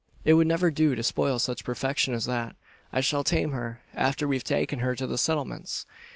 It would never do to spoil such perfection as that. I shall tame her, after we've taken her to the Settlements."